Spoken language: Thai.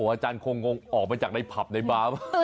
อาจารย์คงเขาออกไปจากทัศน์ในผักในบ้า